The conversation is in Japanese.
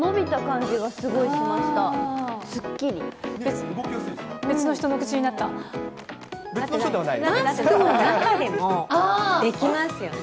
マスクの中でもできますよね。